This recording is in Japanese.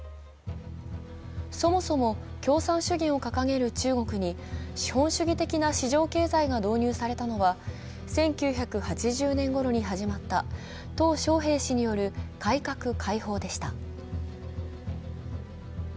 そもそも共産主義を掲げる中国に資本主義的な市場経済が導入されたのは１９８０年ごろに始まったトウ小平氏による改革・開放でした。